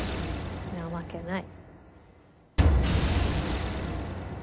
なわけない。